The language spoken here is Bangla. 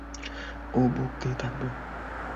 ও বকতেই থাকবে।